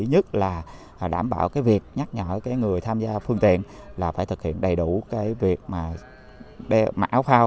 nhất là đảm bảo việc nhắc nhở người tham gia phương tiện là phải thực hiện đầy đủ việc mặc áo phao